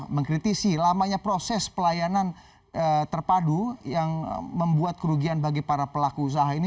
mengkritisi lamanya proses pelayanan terpadu yang membuat kerugian bagi para pelaku usaha ini